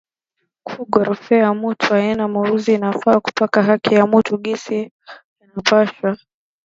ku gorofea mutu aina muzuri inafaa kupana haki ya mutu gisi inapashwa